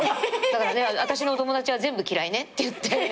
だから私のお友達は全部嫌いねっていって。